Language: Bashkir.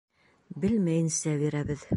Белмәйенсә бирәбеҙ.